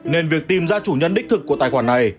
nên việc tìm ra chủ nhân đích thực của tài khoản này